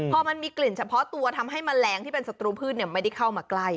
พอมันมีกลิ่นเฉพาะตัวทำให้แมลงที่เป็นศัตรูพืชไม่ได้เข้ามาใกล้